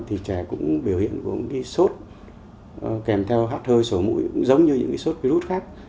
thì trẻ cũng biểu hiện của sốt kèm theo hát hơi sổ mũi giống như những sốt virus khác